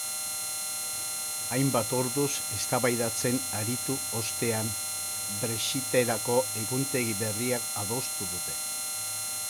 Hainbat orduz eztabaidatzen aritu ostean, brexiterako egutegi berria adostu dute.